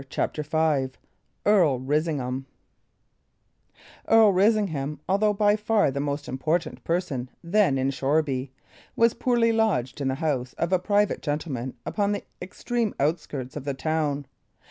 CHAPTER V EARL RISINGHAM Earl Risingham, although by far the most important person then in Shoreby, was poorly lodged in the house of a private gentleman upon the extreme outskirts of the town.